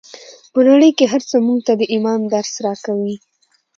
په نړۍ کې هر څه موږ ته د ایمان درس راکوي